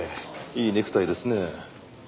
いいネクタイですね。